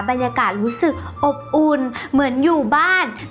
บรรยากาศรู้สึกอบอุ่นเหมือนอยู่บ้าน